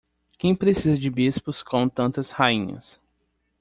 Quem precisa de bispos com tantas rainhas?